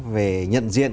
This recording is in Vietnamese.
về nhận diện